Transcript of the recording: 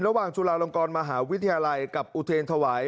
ระหว่างจุฬาลงกรมหาวิทยาลัยกับอุเทรนธวาย